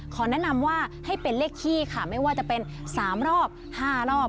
ขอแนะนำว่าให้เป็นเลขที่ค่ะไม่ว่าจะเป็น๓รอบ๕รอบ